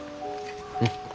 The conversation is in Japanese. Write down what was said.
うん。